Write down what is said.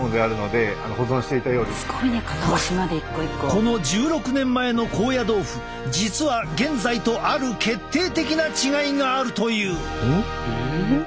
この１６年前の高野豆腐実は現在とある決定的な違いがあるという！